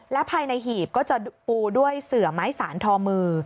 และภายในหีบก็จะปูด้วยเสือไม้สานทอมือ